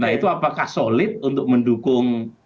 nah itu apakah solid untuk mendukung